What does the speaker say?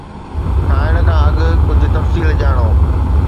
کائڻ کان اڳ ڪجھ تفصيل ڄاڻو